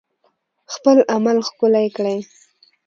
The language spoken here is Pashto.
خپل عمل ښکلی کړئ